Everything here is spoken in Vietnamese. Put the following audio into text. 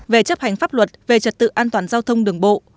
về chấp hành pháp luật về trật tự an toàn giao thông đường bộ